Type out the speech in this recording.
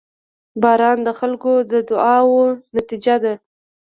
• باران د خلکو د دعاوو نتیجه ده.